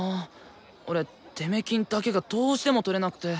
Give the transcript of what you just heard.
俺出目金だけがどうしても取れなくて。